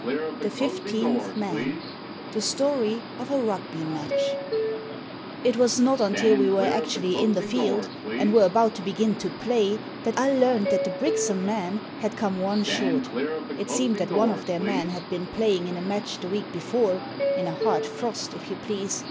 THE FIFTEENTH MAN THE STORY OF A RUGBY MATCH IT was not until we were actually in the field, and were about to begin to play, that I learnt that the Brixham men had come one short It seemed that one of their men had been playing in a match the week before — in a hard frost, if you please